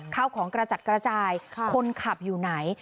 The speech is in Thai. ข้าวของกระจัดกระจายคนขับอยู่ไหน